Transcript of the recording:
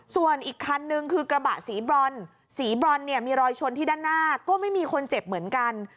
ส่วนอีกคันนึงคือกระบะสีบรอนสีบรอนเนี่ยมีรอยชนที่ด้านหน้าก็ไม่มีคนเจ็บเหมือนกัน